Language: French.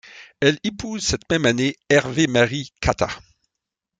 Elle épouse cette même année Hervé-Marie Catta.